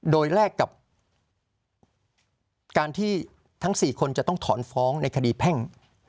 โดยแลกกับการที่ทั้ง๔คนจะต้องถอนฟ้องในคดีแพ่ง